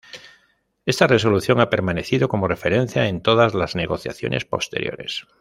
Esta resolución ha permanecido como referencia en todas las negociaciones posteriores.